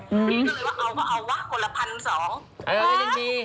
พี่เปรี้ยวว่าเขาก็เอาวะคนละพันสอง